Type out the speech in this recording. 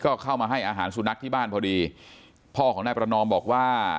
ก็เข้ามาให้อาหารสุนัขที่บ้านพอดีพ่อของนายประนอมบอกว่า